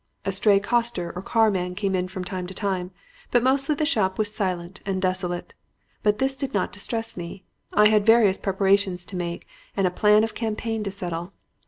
A stray coster or carman came in from time to time, but mostly the shop was silent and desolate. But this did not distress me. I had various preparations to make and a plan of campaign to settle.